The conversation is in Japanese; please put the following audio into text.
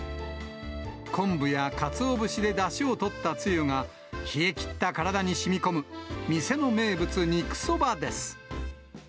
昆布やかつお節でだしを取ったつゆが、冷え切った体にしみこむ、店の名物、肉そばです。